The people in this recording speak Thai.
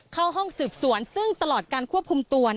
เข้าห้องสืบสวนซึ่งตลอดการควบคุมตัว